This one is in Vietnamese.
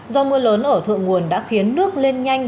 do mưa lớn ở thượng nguồn đã khiến nước lên nhanh